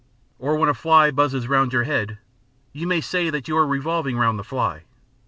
Or when a fly buzzes round your head, you may say that you are revolving round the fly.